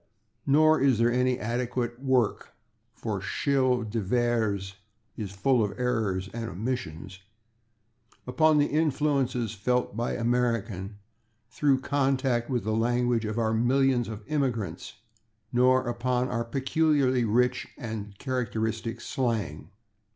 Nor is there any adequate work (for Schele de Vere's is full of errors and omissions) upon the influences felt by American through contact with the languages of our millions [Pg012] of immigrants, nor upon our peculiarly rich and characteristic slang.